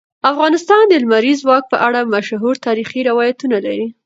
افغانستان د لمریز ځواک په اړه مشهور تاریخی روایتونه لري.